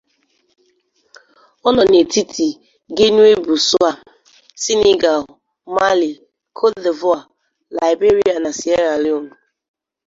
O no n'etiti Guinea-Bissau, Senegal, Mali, Côte d'Ivoire, Liberia na Sierra Leone.